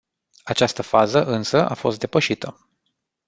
Această fază însă a fost depășită.